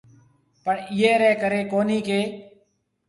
پڻ اِيئي رَي ڪري ڪونھيَََ ڪہ